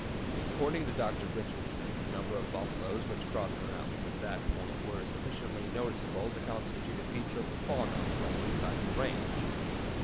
According to Dr. Richardson, the number of buffaloes which crossed the mountains at that point were sufficiently noticeable to constitute a feature of the fauna on the western side of the range.